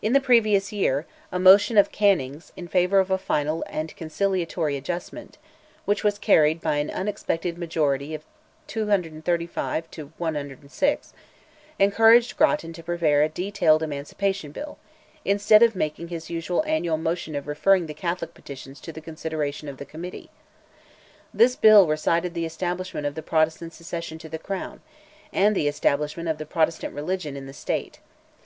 In the previous year, a motion of Canning's, in favour of "a final and conciliatory adjustment," which was carried by an unexpected majority of 235 to 106, encouraged Grattan to prepare a detailed Emancipation Bill, instead of making his usual annual motion of referring the Catholic petitions to the consideration of the Committee. This bill recited the establishment of the Protestant succession to the crown, and the establishment of the Protestant religion in the State.